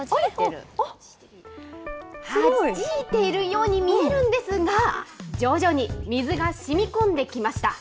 はじいているように見えるんですが、徐々に水がしみこんできました。